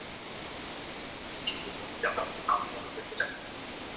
কিন্তু যখন জানলাম, আপনি মহল বেচতে চান।